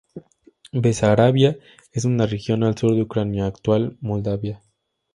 Besarabia es una región al sur de Ucrania, actual Moldavia.